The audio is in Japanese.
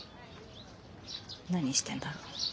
何してんだろう？